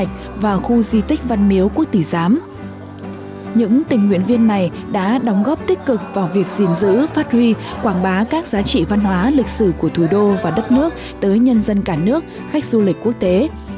những tình nguyện viên này đã đóng góp tích cực vào việc gìn giữ phát huy quảng bá các giá trị văn hóa lịch sử của thủ đô và đất nước tới nhân dân cả nước khách du lịch quốc tế